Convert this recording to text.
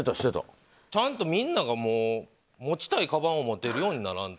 ちゃんとみんなが持ちたいかばんを持っているようにならんと。